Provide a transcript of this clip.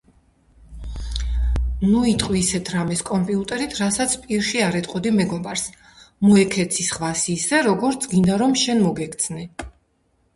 იმართებოდა ჩარკასის აუდიენციის მიერ.